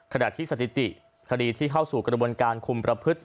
ขณะที่สถิติคดีที่เข้าสู่กระบวนการคุมประพฤติ